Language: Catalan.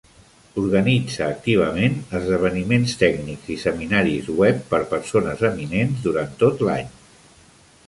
Organitza activament esdeveniments tècnics i seminaris web per persones eminents durant tot l'any.